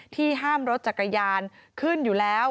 ห้ามรถจักรยานขึ้นอยู่แล้ว